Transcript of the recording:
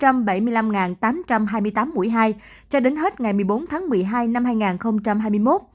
trong đó có năm tám trăm hai mươi tám mũi hai cho đến hết ngày một mươi bốn tháng một mươi hai năm hai nghìn hai mươi một